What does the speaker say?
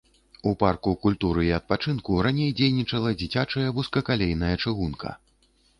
У парку культуры і адпачынку раней дзейнічала дзіцячая вузкакалейная чыгунка.